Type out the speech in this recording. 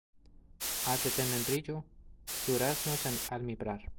Ate de membrillo, duraznos en almíbar.